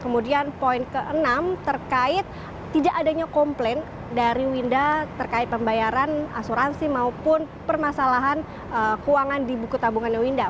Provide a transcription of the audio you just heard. kemudian poin ke enam terkait tidak adanya komplain dari winda terkait pembayaran asuransi maupun permasalahan keuangan di buku tabungannya winda